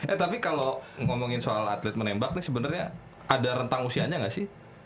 eh tapi kalau ngomongin soal atlet menembak nih sebenarnya ada rentang usianya nggak sih